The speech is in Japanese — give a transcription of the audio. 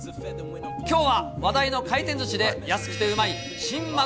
きょうは話題の回転ずしで安くてうまいシン